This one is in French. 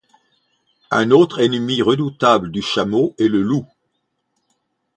Un autre ennemi redoutable du chameau est le loup.